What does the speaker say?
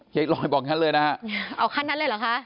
ลอยบอกงั้นเลยนะฮะเอาขั้นนั้นเลยเหรอคะ